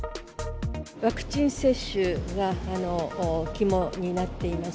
ワクチン接種が肝になっています。